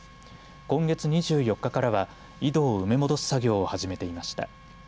今月２４日からは井戸を埋め戻す作業を始めていました。